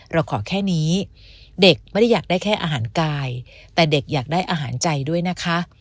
เราขอแค่นี้เด็กไม่ได้อยากได้แค่อาหารกายแต่เด็กอยากได้อาหารใจด้วยนะคะ